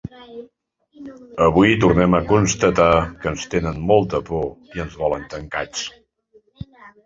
Avui tornem a constatar que ens tenen molta por i ens volen tancats.